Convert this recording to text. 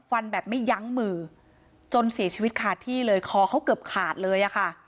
แบบไม่ยั้งมือจนเสียชีวิตขาดที่เลยคอเขาเกือบขาดเลยอะค่ะ